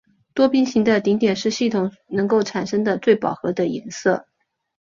多边形的顶点是系统能够产生的最饱和的颜色。